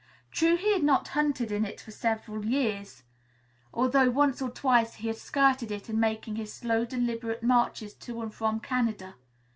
True he had not hunted in it for several years, although once or twice he had skirted it in making his slow, deliberate marches to and from Canada.